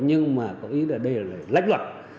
nhưng mà có ý là đây là lãnh luật